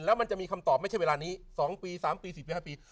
แล้วมันจะมีคำตอบไม่ใช่เวลานี้๒ปี๓ปี๔ปี๕ปี